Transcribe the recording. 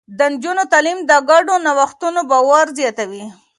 د نجونو تعليم د ګډو نوښتونو باور زياتوي.